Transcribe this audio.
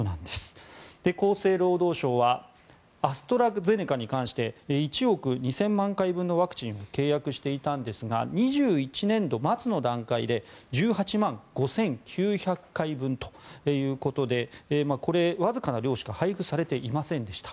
厚生労働省はアストラゼネカに関して１億２０００万回分のワクチンを契約していたんですが２１年度末の段階で１８万５９００回分ということでこれ、わずかな量しか配布されていませんでした。